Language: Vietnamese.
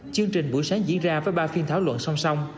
chương trình buổi sáng diễn ra với ba phiên thảo luận song song